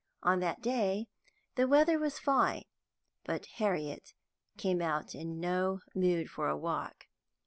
On that day the weather was fine, but Harriet came out in no mood for a walk.